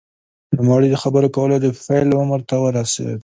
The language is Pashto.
نوموړی د خبرو کولو د پیل عمر ته ورسېد